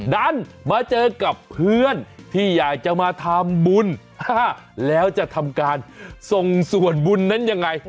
ดันมาเจอกับเพื่อนที่อยากจะมาทำบุญแล้วจะทำการส่งส่วนบุญนั้นยังไง